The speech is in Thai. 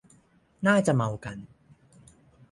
น่าจะเมากัน